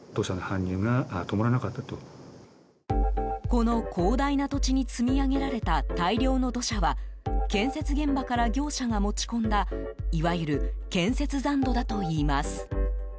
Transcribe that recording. この広大な土地に積み上げられた大量の土砂は建設現場から業者が持ち込んだいわゆる建設残土だといいます。